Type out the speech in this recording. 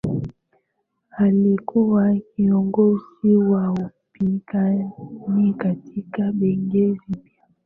Alikuwa kiongozi wa upinzani katika bunge jipya